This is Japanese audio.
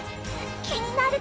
気になる！